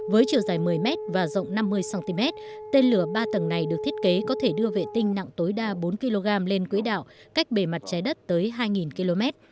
với chiều dài một mươi m và rộng năm mươi cm tên lửa ba tầng này được thiết kế có thể đưa vệ tinh nặng tối đa bốn kg lên quỹ đạo cách bề mặt trái đất tới hai km